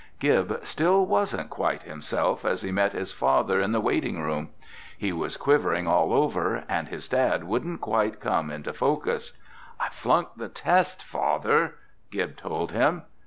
Gib still wasn't quite himself as he met his father in the waiting room. He was quivering all over, and his dad wouldn't quite come into focus. "I flunked the test, Father," Gib told him.